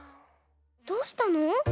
どうしたの？